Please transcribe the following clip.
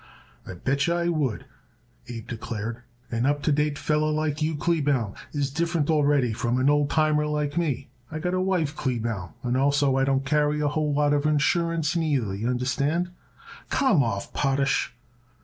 "I bet yer I would," Abe declared. "An up to date feller like you, Kleebaum, is different already from an old timer like me. I got a wife, Kleebaum, and also I don't carry a whole lot of insurance neither, y'understand." "Come off, Potash!"